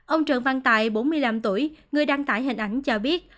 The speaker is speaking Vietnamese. ông trần văn tài bốn mươi năm tuổi người đăng tải hình ảnh cho biết